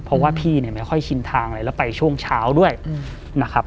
เพราะว่าพี่เนี่ยไม่ค่อยชินทางอะไรแล้วไปช่วงเช้าด้วยนะครับ